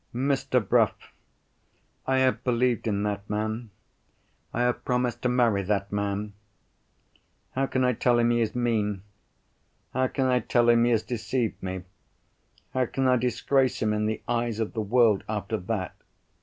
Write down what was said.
"Mr. Bruff! I have believed in that man. I have promised to marry that man. How can I tell him he is mean, how can I tell him he has deceived me, how can I disgrace him in the eyes of the world after that?